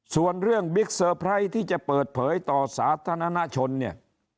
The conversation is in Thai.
ส่วนเรื่องบิ๊กเซอร์ไพรส์ที่จะเปิดเผยต่อสาธารณชนเนี่ย